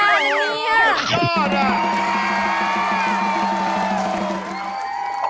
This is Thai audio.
โอ๊ยไม่ธรรมดาไม่ธรรมดานี่